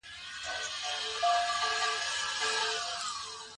خو د زوی ئې جلا مزاج وي.